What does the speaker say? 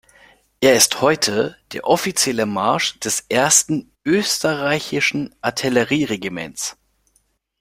Er ist heute der offizielle Marsch des Ersten Österreichischen Artillerie-Regiments.